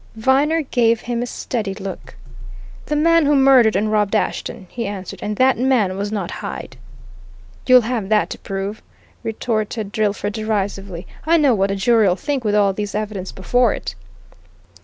Viner gave him a steady look. "The man who murdered and robbed Ashton!" he answered. "And that man was not Hyde." "You'll have that to prove," retorted Drillford, derisively. "I know what a jury'll think with all this evidence before it!"